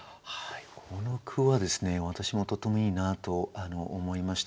この句は私もとってもいいなと思いました。